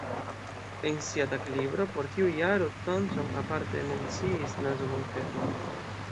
En sia taglibro por tiu jaro Thompson aparte menciis Nazo-Monteton.